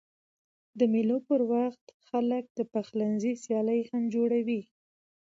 د مېلو پر وخت خلک د پخلنځي سیالۍ هم جوړوي.